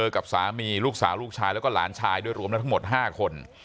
กับสามีลูกสาวลูกชายแล้วก็หลานชายด้วยรวมแล้วทั้งหมด๕คน